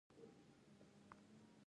ولایتونه د جغرافیوي تنوع یو ښه مثال دی.